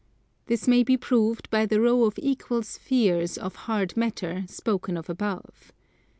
This may be proved by the row of equal spheres of hard matter, spoken of above.